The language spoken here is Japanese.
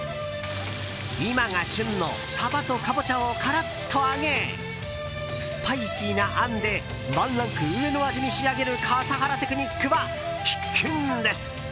今が旬のサバとカボチャをカラッと揚げスパイシーな、あんでワンランク上の味に仕上げる笠原テクニックは必見です。